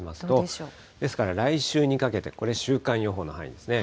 ですから来週にかけて、これ、週間予報の範囲ですね。